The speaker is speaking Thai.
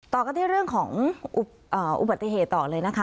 ต่อกันที่เรื่องของอุบัติเหตุต่อเลยนะคะ